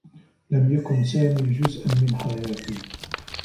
لم يكن سامي جزءا من حياتي.